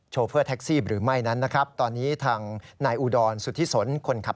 โชเฟอร์แท็กซี่หรือไม่นั้นนะครับ